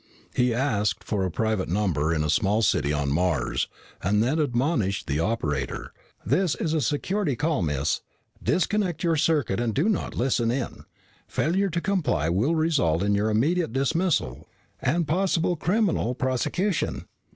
He asked for a private number in a small city on Mars, and then admonished the operator, "This is a security call, miss. Disconnect your circuit and do not listen in. Failure to comply will result in your immediate dismissal and possible criminal prosecution."